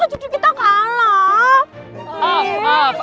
jadi kita kalah